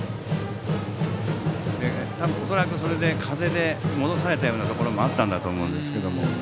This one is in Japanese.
恐らく、風で戻されたところもあったんだと思うんですけども。